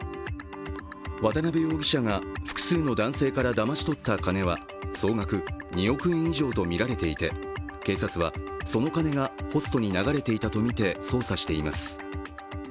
渡邊容疑者が複数の男性からだまし取った金は総額２億円以上とみられていて警察は、その金がホストに流れていたとみて捜査しています。